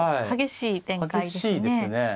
激しい展開ですね。